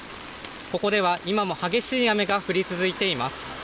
ここでは今も激しい雨が降り続いています。